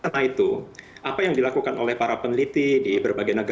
karena itu apa yang dilakukan oleh para peneliti di berbagai negara